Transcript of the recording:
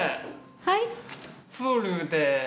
はい。